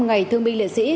ngày thương binh liệt sĩ